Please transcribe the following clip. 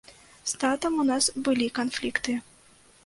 З татам у нас былі канфлікты.